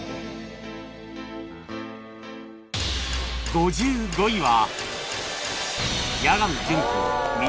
５５位は